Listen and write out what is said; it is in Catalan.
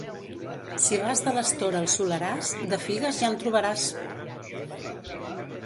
Si vas de l'Astor al Soleràs, de figues ja en trobaràs!